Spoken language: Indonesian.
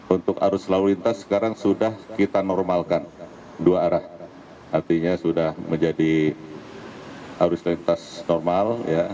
untuk arus lalu lintas sekarang sudah kita normalkan dua arah artinya sudah menjadi arus lintas normal